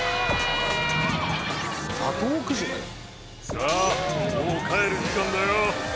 さあもう帰る時間だよ。